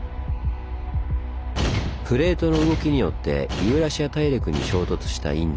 プレートの動きによってユーラシア大陸に衝突したインド。